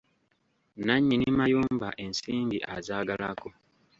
Nnannyini mayumba ensimbi azaagalako.